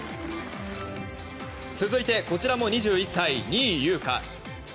続いてこちらも２１歳、仁井優花。